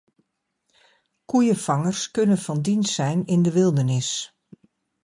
Koeienvangers kunnen van dienst zijn in de wildernis.